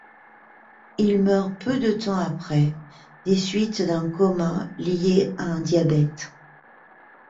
Il meurt peu de temps après des suites d'un coma lié à un diabète.